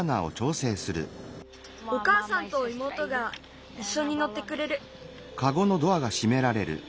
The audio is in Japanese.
おかあさんといもうとがいっしょにのってくれる。